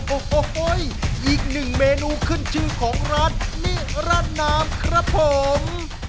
โอ้โหอีกหนึ่งเมนูขึ้นชื่อของร้านนิรัดน้ำครับผม